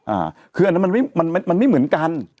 อ่ะคืออันนั้นมันไม่เหมือนกัน